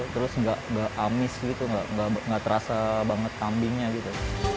terus nggak amis gitu nggak terasa banget kambingnya gitu